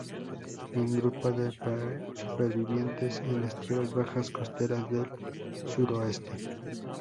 Y un grupo de supervivientes en las tierras bajas costeras del suroeste.